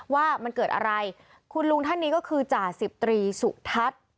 ว่ามันเกิดอะไรคุณลุงท่านนี้ก็คือจ่าสิบตรีสุทัศน์